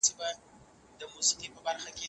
که کورنی ژوند خوږ وي نو څوک نه ستړي کیږي.